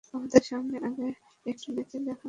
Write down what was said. আমাদের সামনে আগে একটু নেচে দেখাও না কেন?